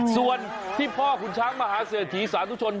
ส่วนที่พ่อขุนช้างมหาเศรษฐีสาธุชน